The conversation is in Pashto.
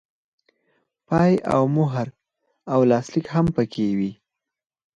پای او مهر او لاسلیک هم پکې وي.